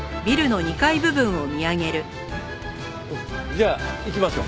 じゃあ行きましょう。